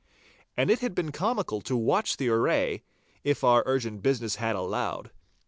And it had been comical to watch the array, if our urgent business had allowed.